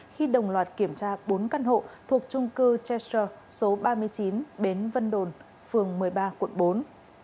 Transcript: khi đồng loạt kiểm tra bốn căn hộ thuộc trung cư tesu số ba mươi chín bến vân đồn phường một mươi ba quận bốn